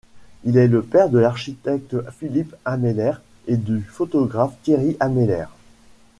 Il est le père de l'architecte Philippe Ameller et du photographe Thierry Ameller.